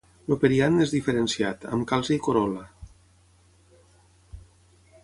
El periant és diferenciat, amb calze i corol·la.